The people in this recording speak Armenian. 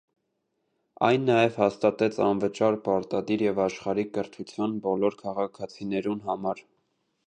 Այն նաեւ հաստատեց անվճար, պարտադիր եւ աշխարհիկ կրթութիւն բոլոր քաղաքացիներուն համար։